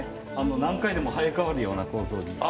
何回でも生え変わるような構造に。